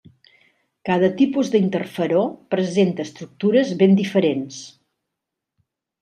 Cada tipus d'interferó presenta estructures ben diferents.